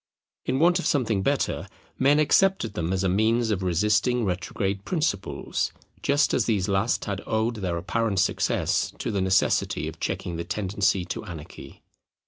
In want of something better, men accepted them as a means of resisting retrograde principles, just as these last had owed their apparent success to the necessity of checking the tendency to anarchy.